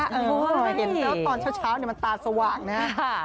เห็นไหมตอนเช้ามันตาสว่างนะครับ